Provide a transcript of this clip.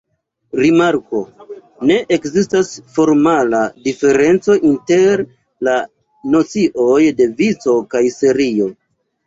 Rimarko: Ne ekzistas formala diferenco inter la nocioj de vico kaj serio.